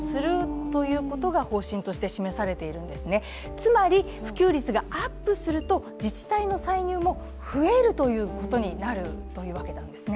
つまり普及率がアップすると、自治体の歳入も増えるということになるというわけなんですね